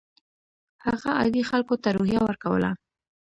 هغه عادي خلکو ته روحیه ورکوله.